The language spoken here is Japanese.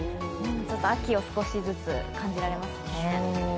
秋を少しずつ感じられますね。